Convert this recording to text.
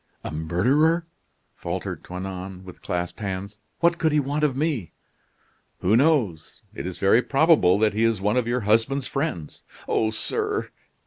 "A murderer!" faltered Toinon, with clasped hands. "What could he want of me?" "Who knows? It is very probable that he is one of your husband's friends." "Oh! sir."